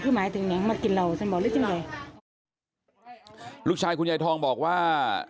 คือหมายถึงเนี้ยมักกินเราฉันบอกเลยจริงแหละลูกชายคุณยายทองบอกว่า